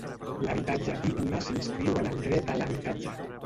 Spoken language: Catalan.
L'habitatge digne s'inscriu en el dret a l'habitatge.